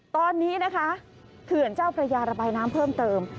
ตอนนี้นะคะเขื่อนเจ้าพระยาระบายน้ำเพิ่มเติม